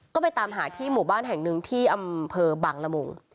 ก็ไปตามหาที่หมู่บ้านแห่งหนึ่งที่อำเภอบังละมุง